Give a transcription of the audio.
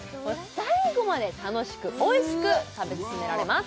最後まで楽しくおいしく食べ進められます